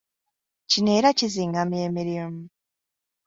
Kino era kizingamya emirimu.